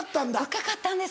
深かったんです。